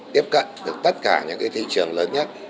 tiếp cận được tất cả những thị trường lớn nhất